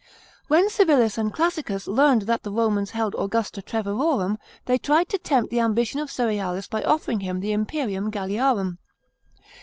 When Civilis and Classicus learned that the Romans held Augusta Treverorum, they tried to tempt the ambition of Cerealis by offering him the 'imperium Gattiarum.